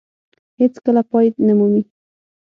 هېڅ کله پای نه مومي.